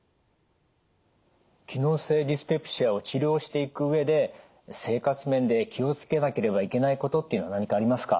機能性ディスペプシアを治療していく上で生活面で気を付けなければいけないことっていうのは何かありますか？